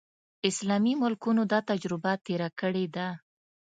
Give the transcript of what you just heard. اسلامي ملکونو دا تجربه تېره کړې ده.